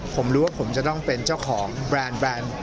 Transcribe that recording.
ผมรู้ว่าผมจะต้องเป็นเจ้าของแบรนด์แบรนด์